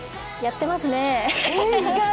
やってますね。